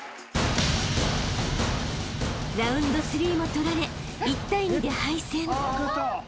［ＲＯＵＮＤ３も取られ１対２で敗戦］